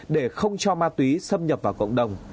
để không cho ma túy xâm nhập vào cộng đồng